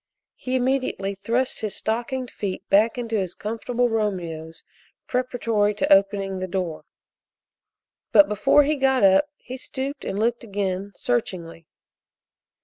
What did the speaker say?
He immediately thrust his stockinged feet back in his comfortable Romeos preparatory to opening the door, but before he got up he stooped and looked again, searchingly.